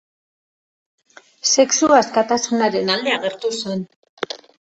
Sexu askatasunaren alde agertu zen.